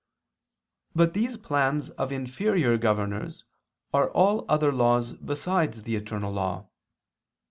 But these plans of inferior governors are all other laws besides the eternal law.